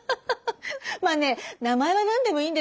まあね名前は何でもいいんですよ。